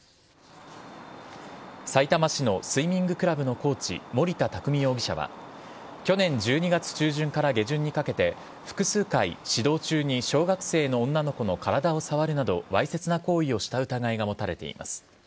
さいたま市のスイミングクラブのコーチ森田匠容疑者は去年１２月中旬から下旬にかけて複数回、指導中に小学生の女の子の体を触るなどわいせつな行為をした疑いが持たれています。